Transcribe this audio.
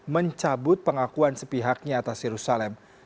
mencabut pengakuan sepihaknya atas yerusalem